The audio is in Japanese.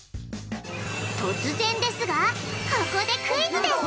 突然ですがここでクイズです！